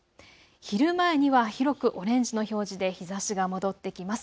昼前には広くオレンジの表示で日ざしが戻ってきます。